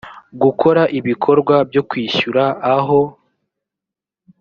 gukora ibikorwa byo kwishyura aho